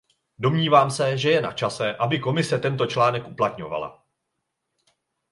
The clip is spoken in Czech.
Domnívám se, že je načase, aby Komise tento článek uplatňovala.